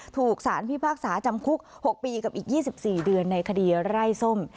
ถูกสารพิพากษาจำคุก๖ปีกับอีก๒๔เดือนในคดีไร่ส้ม